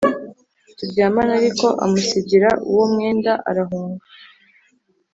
turyamane Ariko amusigira uwo mwenda arahunga